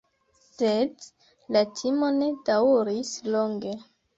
Sed la timo ne daŭris longe.